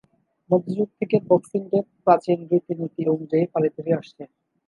মধ্যযুগ থেকে Boxing Day প্রাচীন রীতি-নীতি অনুযায়ী পালিত হয়ে আসছে।